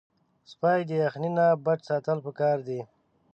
سپي د یخنۍ نه بچ ساتل پکار دي.